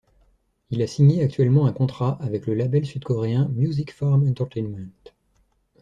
Il a signé actuellement un contrat avec le label sud-coréen Music Farm Entertainment.